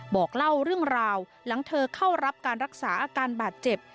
บอกเล่าเรื่องราวหลังเธอเข้ารับการรักษาอาการบาดเจ็บ